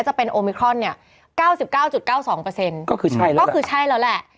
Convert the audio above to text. จะเป็นโอมิครอน๙๙๙๒ก็คือใช่แล้วแหละ